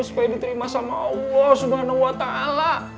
supaya diterima sama allah subhanahu wa ta'ala